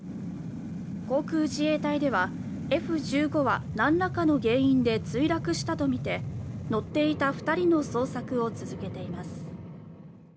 航空自衛隊では、Ｆ１５はなんらかの原因で墜落したと見て、乗っていた２人の捜索を続けています。